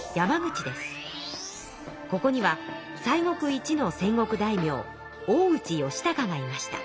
ここには西国一の戦国大名大内義隆がいました。